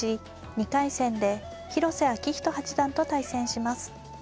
２回戦で広瀬章人八段と対戦します。